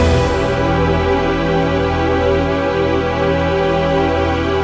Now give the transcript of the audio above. masa yang terakhir